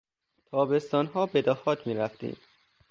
تابستانها به دهات میرفتیم.